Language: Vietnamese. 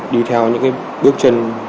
đi theo những bước chân